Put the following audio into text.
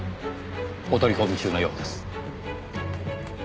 お取り込み中のようです。